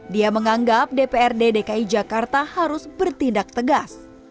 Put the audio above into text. dia menganggap dprd dki jakarta harus bertindak tegas